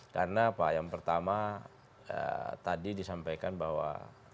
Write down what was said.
karena pak yang pertama tadi disampaikan bahwa